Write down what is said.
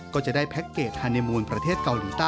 ก็จะได้แพ็คเกจฮาเนมูนประเทศเกาหลุงใต้๕วัน๓คืน